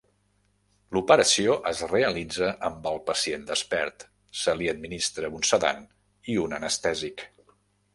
L'operació es realitza amb el pacient despert, se li administra un sedant i un anestèsic.